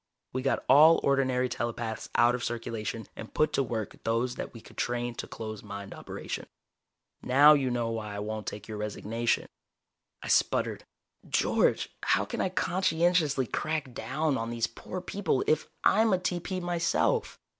We got all ordinary telepaths out of circulation and put to work those that we could train to closed mind operation. Now you know why I won't take your resignation." I sputtered. "George, how can I conscientiously crack down on these poor people, if I'm a TP myself?"